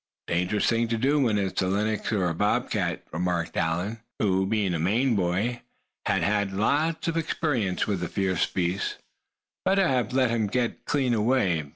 "A dangerous thing to do when it's a lynx or a bob cat," remarked Allan, who, being a Maine boy, had had lots of experience with the fierce beasts. "Better have let him get clean away.